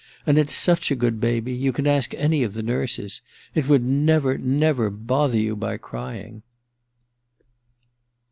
. and it's such a good baby ... you can ask any of the nurses ... it would never, never bother you by crying.